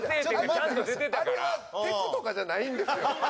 あれはテクとかじゃないんですよ。